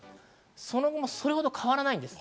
その後もそれほど変わらないです。